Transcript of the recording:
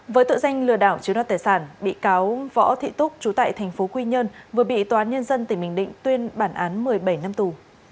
với tựa danh lừa đảo chiếu đoạt tài sản bị cáo võ thị túc trú tại tp quy nhơn vừa bị tòa án nhân dân tỉnh bình định tuyên bản án một mươi bảy năm tù